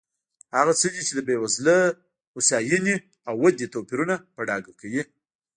هغه څه دي چې د بېوزلۍ، هوساینې او ودې توپیرونه په ډاګه کوي.